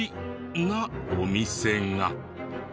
なお店が。